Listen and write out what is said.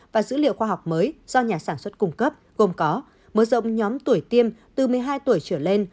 và dữ liệu khoa học mới do nhà sản xuất cung cấp gồm có mở rộng nhóm tuổi tiêm từ một mươi hai tuổi trở lên